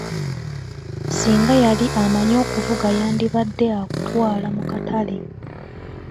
Singa yali amanyi okuvuga yandibadde akutwala mu katale.